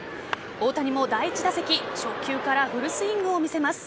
大谷も第１打席初球からフルスイングを見せます。